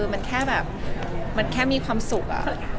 มันแค่แบบมันแค่มีความสุข